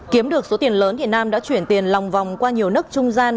kiếm được số tiền lớn thì nam đã chuyển tiền lòng vòng qua nhiều nước trung gian